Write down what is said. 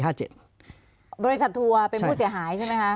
บริษัททัวร์เป็นผู้เสียหายใช่ไหมคะ